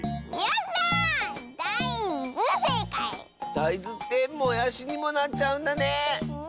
だいずってもやしにもなっちゃうんだねえ！